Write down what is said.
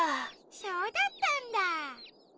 そうだったんだ！